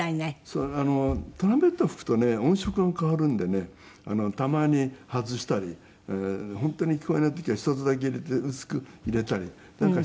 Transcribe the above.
そうトランペット吹くとね音色が変わるんでねたまに外したり本当に聞こえない時は１つだけ入れて薄く入れたりなんかしていますけど。